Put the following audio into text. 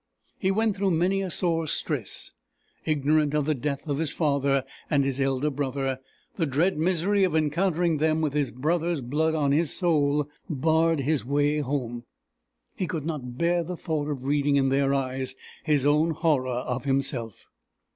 He went through many a sore stress. Ignorant of the death of his father and his elder brother, the dread misery of encountering them with his brother's blood on his soul, barred his way home. He could not bear the thought of reading in their eyes his own horror of himself.